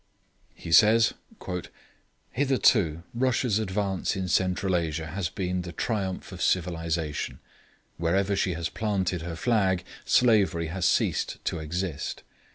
He says: 'Hitherto Russia's advance in Central Asia has been the triumph of civilisation. Wherever she has planted her flag slavery has ceased to exist.